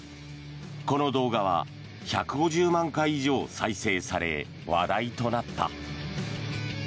この動画は１５０万回以上再生され話題となった。